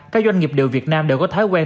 các doanh nghiệp điều việt nam đều có thái quen